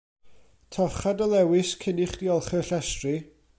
Torcha dy lewys cyn i chdi olchi'r llestri.